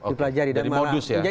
dari modus ya